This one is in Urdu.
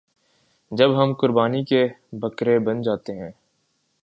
جب ہم قربانی کے بکرے بن جاتے ہیں۔